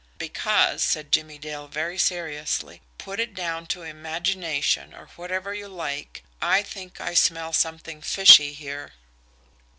"Because," said Jimmie Dale very seriously, "put it down to imagination or whatever you like, I think I smell something fishy here."